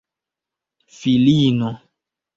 filino